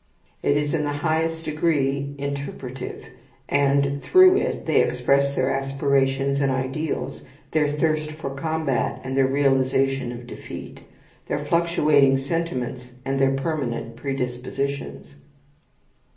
It is in the highest degree interpretative, and through it they express their aspirations and ideals, their thirst for combat and their realization of defeat, their fluctuating sentiments and their permanent predispositions.